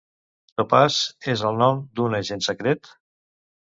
Topaz és el nom d'una agent secret?